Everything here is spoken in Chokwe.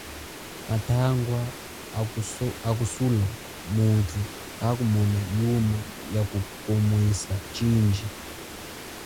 Matangwa akusula mutu kamona yuma ya kukomwesa chindji.